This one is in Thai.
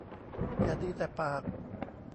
อย่าดีแต่ปาก